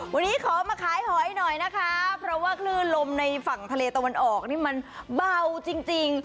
วันนี้ขอมาขายหอยหน่อยนะคะเพราะว่าคลื่นลมในฝั่งทะเลตะวันออกนี่มันเบาจริง